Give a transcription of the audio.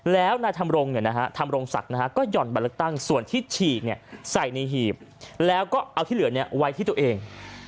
แล้วนายธรรมรงธรรมรงศักดิ์ก็ห่อนบัตรเลือกตั้งส่วนที่ฉีกใส่ในหีบแล้วก็เอาที่เหลือไว้ที่ตัวเอง